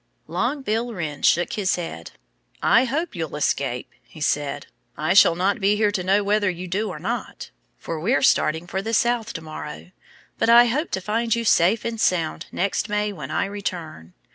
Long Bill Wren shook his head. "I hope you'll escape," he said. "I shall not be here to know whether you do or not. For we're starting for the South to morrow. But I hope to find you safe and sound next May, when I return."